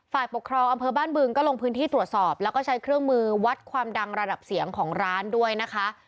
ฝ่ายปกครองอำเภอบ้านบึงก็ลงพื้นที่ตรวจสอบแล้วก็ใช้เครื่องมือวัดความดังระดับเสียงของร้านด้วยนะคะ